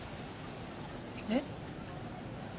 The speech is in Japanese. えっ？